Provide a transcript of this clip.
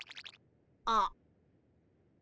あっ。